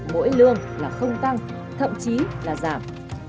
mỗi lương là không tăng thậm chí là giảm